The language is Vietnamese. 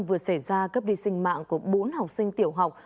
vừa xảy ra cấp đi sinh mạng của bốn học sinh tiểu học